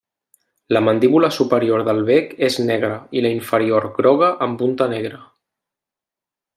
La mandíbula superior del bec és negra i la inferior groga amb punta negra.